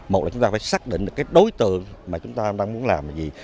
một là chúng ta phải xác định được cái đối tượng mà chúng ta đang muốn làm là gì